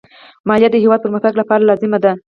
مالیه د هېواد پرمختګ لپاره لازمي ده.